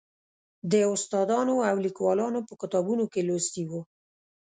د استادانو او لیکوالو په کتابونو کې لوستی و.